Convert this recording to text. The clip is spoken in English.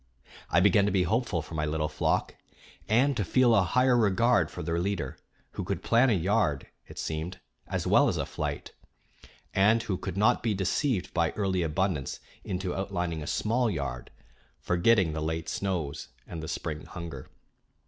I began to be hopeful for my little flock, and to feel a higher regard for their leader, who could plan a yard, it seemed, as well as a flight, and who could not be deceived by early abundance into outlining a small yard, forgetting the late snows and the spring hunger.